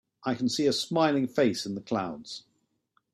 I can see a smiling face in the clouds.